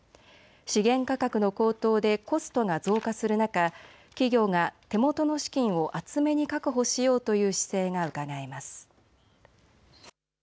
資源価格の高騰でコストが増加する中、企業が手元の資金を厚めに確保しようという姿勢がうかがえます。